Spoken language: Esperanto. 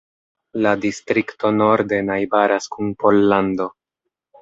La distrikto norde najbaras kun Pollando.